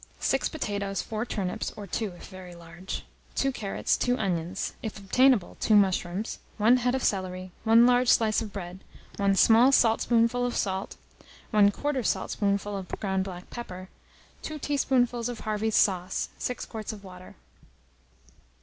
6 potatoes, 4 turnips, or 2 if very large; 2 carrots, 2 onions; if obtainable, 2 mushrooms; 1 head of celery, 1 large slice of bread, 1 small saltspoonful of salt, 1/4 saltspoonful of ground black pepper, 2 teaspoonfuls of Harvey's sauce, 6 quarts of water.